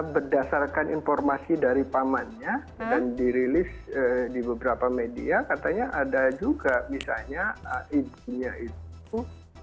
berdasarkan informasi dari pamannya dan dirilis di beberapa media katanya ada juga misalnya ibunya itu